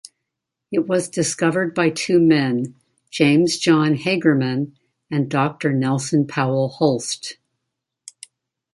It was discovered by two men, James John Hagerman and Doctor Nelson Powell Hulst.